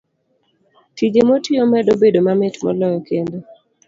Tije motiyo medo bedo mamit moloyo, kendo